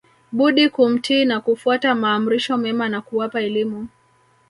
budi kumtii na kufuata maamrisho mema na kuwapa elimu